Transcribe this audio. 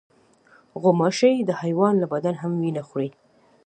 غوماشې د حیوان له بدن هم وینه خوري.